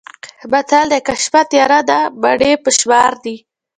متل دی: که شپه تیاره ده مڼې په شمار دي.